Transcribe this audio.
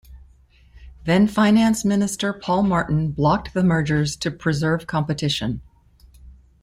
Then Finance Minister Paul Martin blocked the mergers to preserve competition.